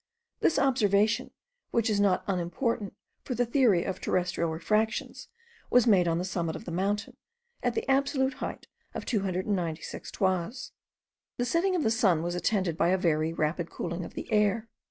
This observation, which is not unimportant for the theory of terrestrial refractions, was made on the summit of the mountain, at the absolute height of 296 toises. The setting of the sun was attended by a very rapid cooling of the air.